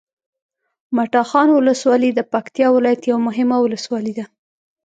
مټاخان ولسوالي د پکتیکا ولایت یوه مهمه ولسوالي ده